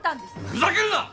ふざけるな！